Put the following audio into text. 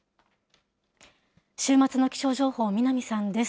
週末の気象情報、南さんです。